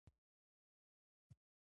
غوره کالي او خواړه د شتمنو خلکو په برخه وي.